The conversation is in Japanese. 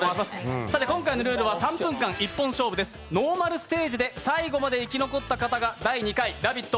今回のルールは３分間一本勝負ですノーマルステージで最後まで生き残った方が「ラヴィット！」